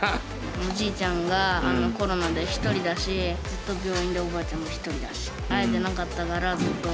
おじいちゃんがコロナで一人だしずっと病院でおばあちゃんも一人だし会えてなかったからずっと。